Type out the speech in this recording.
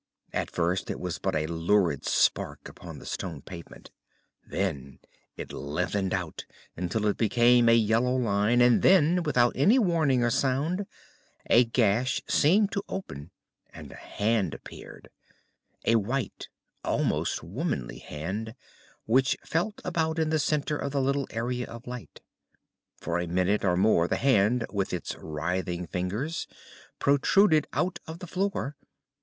At first it was but a lurid spark upon the stone pavement. Then it lengthened out until it became a yellow line, and then, without any warning or sound, a gash seemed to open and a hand appeared, a white, almost womanly hand, which felt about in the centre of the little area of light. For a minute or more the hand, with its writhing fingers, protruded out of the floor.